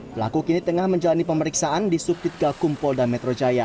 pelaku kini tengah menjalani pemeriksaan di subdit gakum polda metro jaya